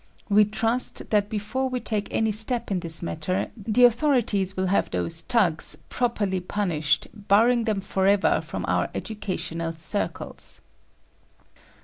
We trust that before we take any step in this matter, the authorities will have those 'toughs' properly punished, barring them forever from our educational circles."